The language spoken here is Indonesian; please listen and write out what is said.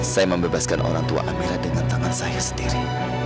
saya membebaskan orang tua amira dengan tangan saya sendiri